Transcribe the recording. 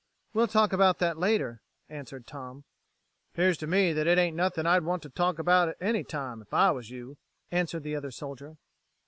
"We'll talk about that later," answered Tom. "'Pears to me that it ain't anything I'd want to talk about at any time if I was you," answered the other soldier.